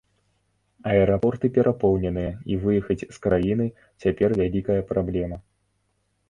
Аэрапорты перапоўненыя і выехаць з краіны цяпер вялікая праблема.